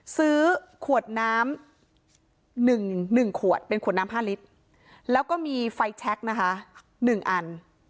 ซื้อขวดน้ำ๑ขวดเป็นขวดน้ำ๕ลิตรแล้วก็มีไฟแชคนะคะ๑อัน